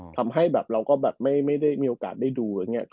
ทำให้เราก็ไม่ได้มีโอกาสการดู